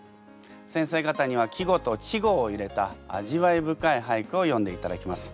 先生方には季語と稚語を入れた味わい深い俳句を詠んでいただきます。